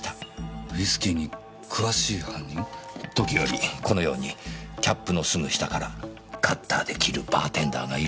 時折このようにキャップのすぐ下からカッターで切るバーテンダーがいるんですよ。